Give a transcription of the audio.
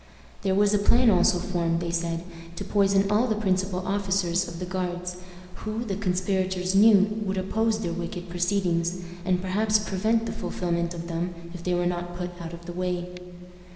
There was a plan also formed, they said, to poison all the principal officers of the Guards, who, the conspirators knew, would oppose their wicked proceedings, and perhaps prevent the fulfillment of them if they were not put out of the way.